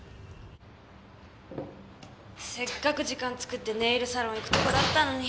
せっかく時間作ってネイルサロン行くとこだったのに。